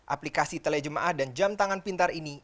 aplikasi telejemaah dan jam tangan pintar ini